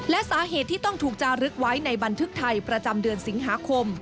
และสาเหตุที่ต้องถูกจารึกไว้ในบันทึกไทยประจำเดือนสิงหาคม